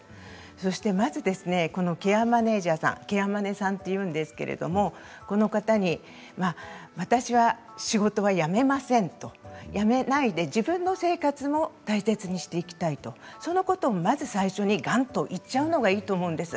そして、まずケアマネージャーさんケアマネさんと言いますけれどこの方に私は仕事は辞めませんと辞めないで自分の生活を大切にしていきたいとそのことをまず最初にがんと言ってしまうのがいいと思うんです。